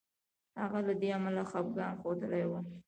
هغه له دې امله خپګان ښودلی وو.